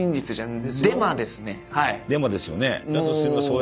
デマですよね。